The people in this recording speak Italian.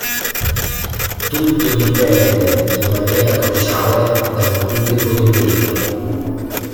Tutto dipende in maniera cruciale da un pubblico dominio.